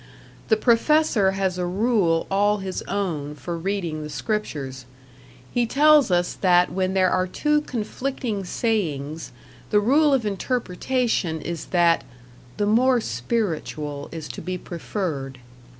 The professor has a rule all his own for reading the scriptures; he tells us that when there are two conflicting sayings, the rule of interpretation is that "the more spiritual is to be preferred."